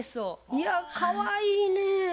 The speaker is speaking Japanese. いやかわいいねぇ。